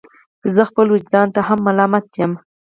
زه خپل ویجدان ته هم ملامت یم.